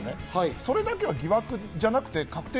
それだけは疑惑じゃなくて確定。